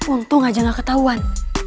untung aja gak ketauan